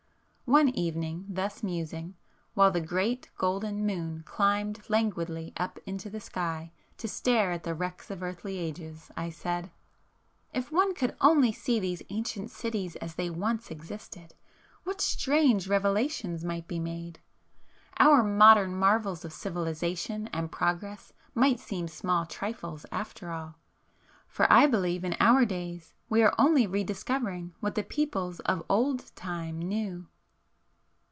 One evening, thus musing, while the great golden moon climbed languidly up into the sky to stare at the wrecks of earthly ages I said— "If one could only see these ancient cities as they once existed, what strange revelations might be made! Our modern marvels of civilization and progress might seem small trifles after all,—for I believe in our days we are only re discovering what the peoples of old time knew."